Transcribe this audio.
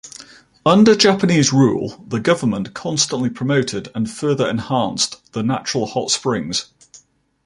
Under Japanese rule, the government constantly promoted and further enhanced the natural hot springs.